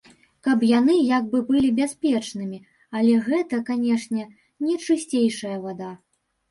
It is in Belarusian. Каб яны як бы былі бяспечнымі, але гэта, канечне, не чысцейшая вада.